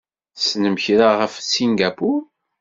Tessnem kra ɣef Singapur?